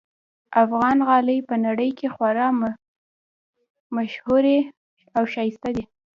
افغان غالۍ په نړۍ کې خورا ممشهوري اوښایسته دي